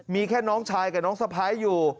มีแค่น้องชายกับน้องสะพ้ายอยู่